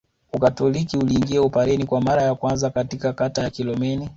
Ukatoliki uliingia Upareni kwa mara ya kwanza katika kata ya Kilomeni